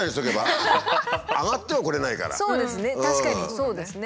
そうですね。